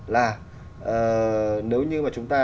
là nếu như mà chúng ta